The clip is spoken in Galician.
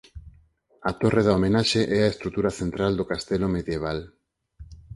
A torre da homenaxe é a estrutura central do castelo medieval.